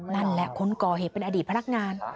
นั่นแหละคนก่อเหตุเป็นอดีตพนักงาน